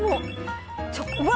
うわ！